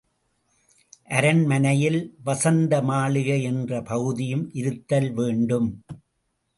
அரண்மனையில் வஸந்த மாளிகை என்ற பகுதியும் இருத்தல் வேண்டும்.